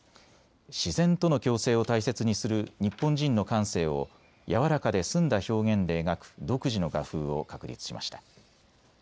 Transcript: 自然との共生を大切にする日本人の感性をやわらかで澄んだ表現で描く独自の画風を確立しました。